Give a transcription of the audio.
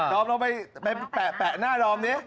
ดอมเราไปแปะหน้าดอมนี้